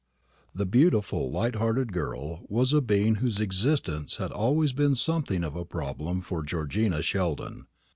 The beautiful light hearted girl was a being whose existence had been always something of a problem for Georgina Sheldon.